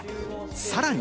さらに。